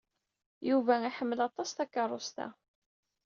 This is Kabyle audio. Yuba iḥemmel aṭas takeṛṛust-a.